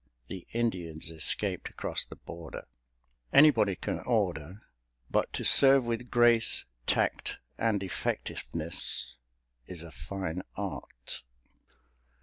The Indians escaped across the border. Anybody can order, but to serve with grace, tact and effectiveness is a fine art.